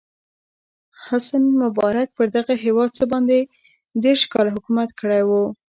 حسن مبارک پر دغه هېواد څه باندې دېرش کاله حکومت کړی و.